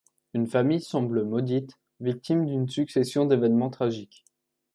Une famille semble maudite, victime d'une succession d'événements tragiques.